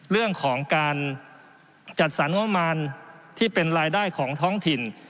เรื่องของการจัดสรรงบมารที่เป็นรายได้ของท้องถิ่น